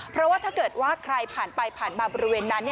เพราะว่าถ้าเกิดว่าใครผ่านไปผ่านมาบริเวณนั้น